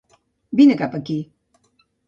Vine cap aquí.